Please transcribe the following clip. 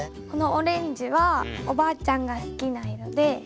このオレンジはおばあちゃんが好きな色で。